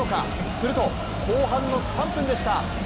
すると、後半の３分でした。